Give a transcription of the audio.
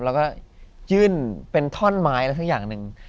แล้วก็ยื่นเป็นท่อนไม้อะไรสักอย่างหนึ่ง